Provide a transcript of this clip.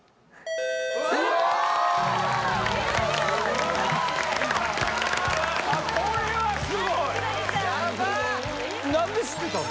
おーっあっこれはすごい何で知ってたの？